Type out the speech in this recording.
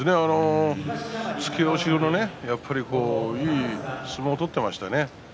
突き押しのいい相撲を取っていましたね。